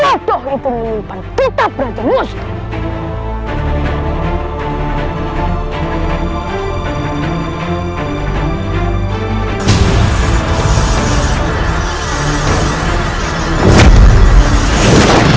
aku menyimpan kita berajam musti